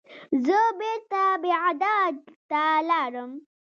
زه بیرته بغداد ته لاړم.